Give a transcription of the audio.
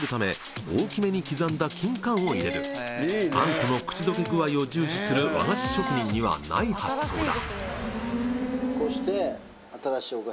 餡子の口溶け具合を重視する和菓子職人にはない発想だ。